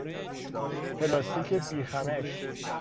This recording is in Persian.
پلاستیک بیخمش